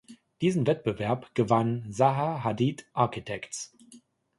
Diesen Wettbewerb gewann „Zaha Hadid Architects“.